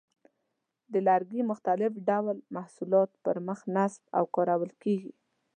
د لرګي مختلف ډول محصولاتو پر مخ نصب او کارول کېږي.